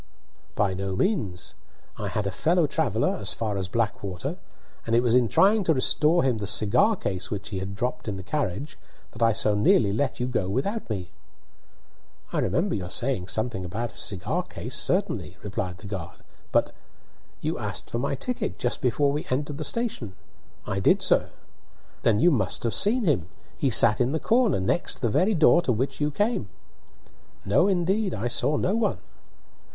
"By no means. I had a fellow traveller as far as Blackwater, and it was in trying to restore him the cigar case which he had dropped in the carriage that I so nearly let you go on without me." "I remember your saying something about a cigar case, certainly," replied the guard; "but " "You asked for my ticket just before we entered station." "I did, sir." "Then you must have seen him. He sat in the corner next the very door to which you came." "No, indeed; I saw no one."